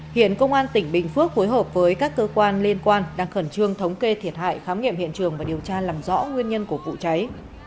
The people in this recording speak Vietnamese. hiện công an tỉnh bình phước phối hợp với các cơ quan liên quan đang khẩn trương thống kê thiệt hại khám nghiệm hiện trường và điều tra làm rõ nguyên nhân của vụ cháy